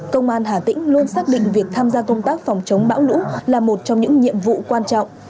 công an hà tĩnh luôn xác định việc tham gia công tác phòng chống bão lũ là một trong những nhiệm vụ quan trọng